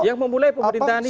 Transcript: yang memulai pemerintahan ini